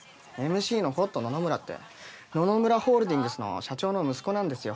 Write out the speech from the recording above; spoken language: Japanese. ＭＣのホット野々村って野々村ホールディングスの社長の息子なんですよ。